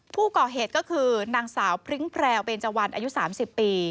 ผู้ก่อเหตุก็คือนางสาวพริ้งแพรวเบนเจวันอายุ๓๐ปี